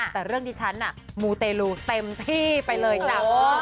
แต่เรื่องที่ฉันน่ะมูเตลูเต็มที่ไปเลยจ้ะ